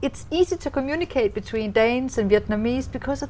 tôi nghĩ tôi cũng nhớ những kinh nghiệm của các bạn ở tết